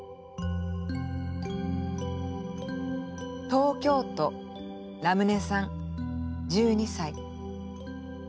東京都らむねさん１２歳。